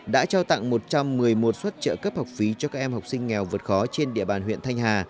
đã trao tặng một trăm một mươi một suất trợ cấp học phí cho các em học sinh nghèo vượt khó trên địa bàn huyện thanh hà